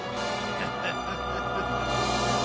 ハハハハ。